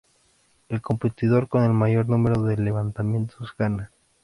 El competidor con el mayor número de levantamientos gana.